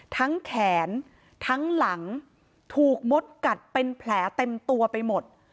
แขนทั้งหลังถูกมดกัดเป็นแผลเต็มตัวไปหมด